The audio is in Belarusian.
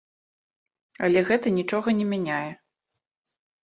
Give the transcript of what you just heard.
Але гэта нічога не мяняе.